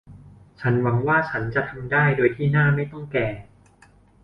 ฉันหวังว่าฉันจะทำได้โดยที่หน้าไม่ต้องแก่